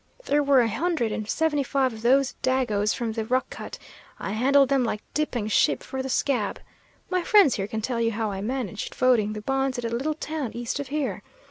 There were a hundred and seventy five of those dagoes from the rock cut; I handled them like dipping sheep for the scab. My friends here can tell you how I managed voting the bonds at a little town east of here.